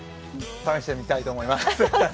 試してみたいと思います。